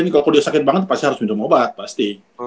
ini kalau dia sakit banget pasti harus minum obat pasti